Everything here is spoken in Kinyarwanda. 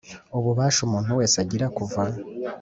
Ububasha umuntu wese agira kuva